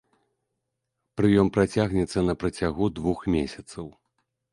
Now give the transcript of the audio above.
Прыём працягнецца на працягу двух месяцаў.